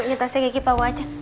ini tasnya kiki pawajan